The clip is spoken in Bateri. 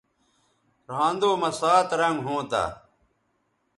رھاندو مہ سات رنگ ھونتہ